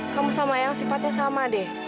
kamu sama yang sifatnya sama deh